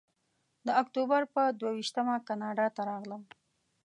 د اکتوبر پر دوه ویشتمه کاناډا ته راغلم.